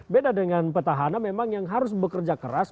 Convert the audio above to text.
beda dengan petahana memang yang harus bekerja keras